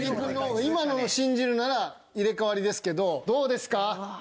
今のを信じるなら入れ替わりですけどどうですか？